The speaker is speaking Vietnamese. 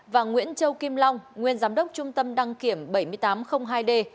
và nguyễn châu kim long nguyên giám đốc trung tâm đăng kiểm bảy nghìn tám trăm linh hai d